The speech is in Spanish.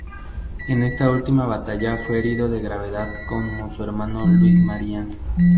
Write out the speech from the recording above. En esta última batalla fue herido de gravedad como su hermano Luis María.